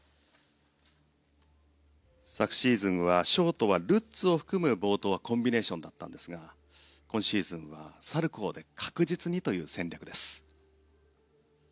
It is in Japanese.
昨シーズンはショートはルッツを含む冒頭はコンビネーションだったんですが今シーズンはサルコウで確実にという戦略です。